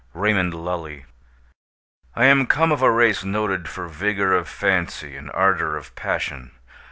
—Raymond Lully. I am come of a race noted for vigor of fancy and ardor of passion.